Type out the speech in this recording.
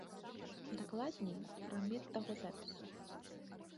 Дакладней, фрагмент таго запісу.